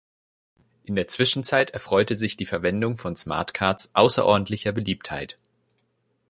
In der Zwischenzeit erfreute sich die Verwendung von Smartcards außerordentlicher Beliebtheit.